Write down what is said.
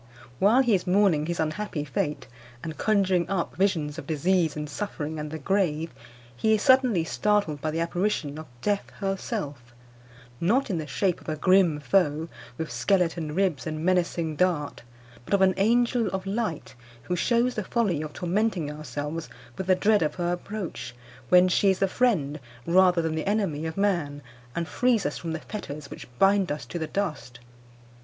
While he is mourning his unhappy fate, and conjuring up visions of disease and suffering and the grave, he is suddenly startled by the apparition of Death herself, not in the shape of a grim foe, with skeleton ribs and menacing dart, but of an angel of light, who shews the folly of tormenting ourselves with the dread of her approach, when she is the friend, rather than the enemy, of man, and frees us from the fetters which bind us to the dust.